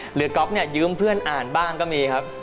ก๊อฟเนี่ยยืมเพื่อนอ่านบ้างก็มีครับ